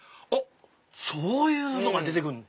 そういうのが出てくんの？